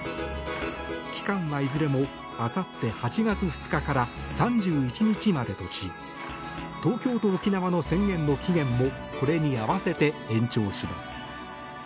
期間はいずれもあさって８月２日から３１日までとし東京と沖縄の宣言の期限もこれに合わせて延長します。